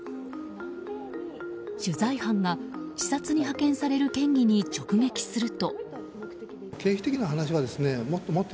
取材班が、視察に派遣される県議に直撃すると。